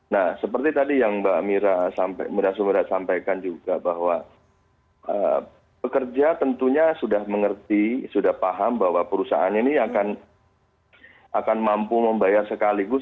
nah seperti tadi yang mbak mira sumira sampaikan juga bahwa pekerja tentunya sudah mengerti sudah paham bahwa perusahaan ini akan mampu membayar sekaligus